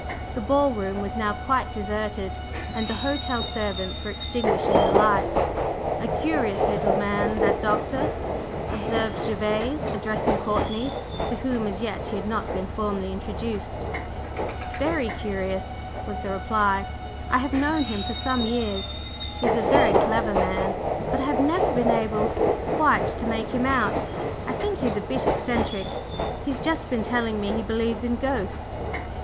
The ball room was now quite deserted, and the hotel servants were extinguishing the lights. "A curious little man, that Doctor," observed Gervase, addressing Courtney, to whom as yet he had not been formally introduced. "Very curious!" was the reply. "I have known him for some years, he is a very clever man, but I have never been able quite to make him out. I think he is a bit eccentric. He's just been telling me he believes in ghosts."